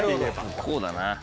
こうだな。